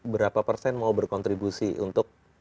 berapa persen mau berkontribusi untuk